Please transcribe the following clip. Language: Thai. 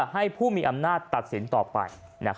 ให้ผู้มีอำนาจตัดสินต่อไป